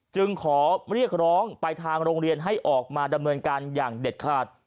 จึงขอเรียกร้องไปทางโรงเรียนให้ออกมาดำเนินการอย่างเด็ดขาด